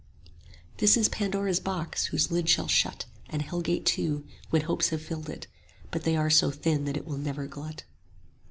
This is Pandora's box; whose lid shall shut, And Hell gate too, when hopes have filled it; but They are so thin that it will never glut.